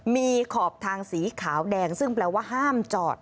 มีขอบทางสีขาวแดงซึ่งแปลว่าห้ามจอด